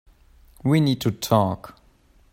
We need to talk.